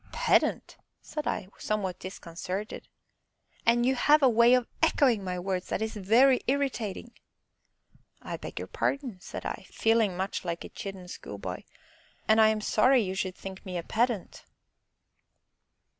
"Pedant!" said I, somewhat disconcerted. "And you have a way of echoing my words that is very irritating." "I beg your pardon," said I, feeling much like a chidden schoolboy; "and I am sorry you should think me a pedant."